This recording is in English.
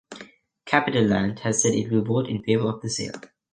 CapitaLand has said it will vote in favor of the sale.